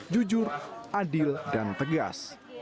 jujur adil dan tegas